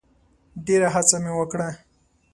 ډېره هڅه مي وکړه .